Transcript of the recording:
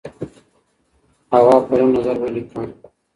هوا پرون نظر ولیکه.